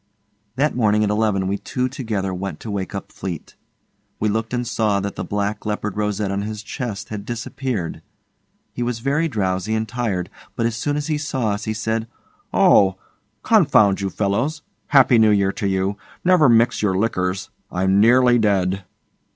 That morning at eleven we two together went to wake up Fleete. We looked and saw that the black leopard rosette on his chest had disappeared. He was very drowsy and tired, but as soon as he saw us, he said, 'Oh! Confound you fellows. Happy New Year to you. Never mix your liquors. I'm nearly dead.